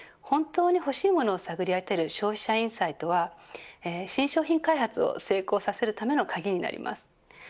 本当に欲しいものを探り当てる消費者インサイトは新商品開発を成功させるための鍵になります。